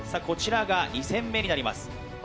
こちらが２戦目になります。